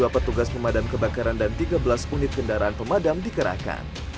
dua petugas pemadam kebakaran dan tiga belas unit kendaraan pemadam dikerahkan